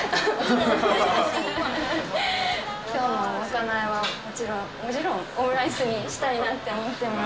今日のまかないはもちろん、オムライスにしたいなって思ってます。